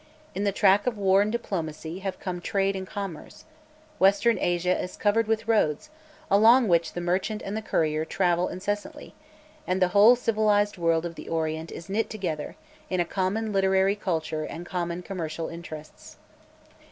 In the track of war and diplomacy have come trade and commerce; Western Asia is covered with roads, along which the merchant and the courier travel incessantly, and the whole civilised world of the Orient is knit together in a common literary culture and common commercial interests.